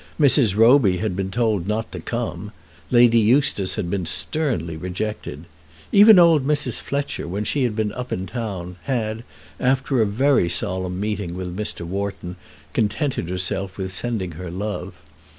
Mrs. Roby had been told not to come. Lady Eustace had been sternly rejected. Even old Mrs. Fletcher when she had been up in town had, after a very solemn meeting with Mr. Wharton, contented herself with sending her love.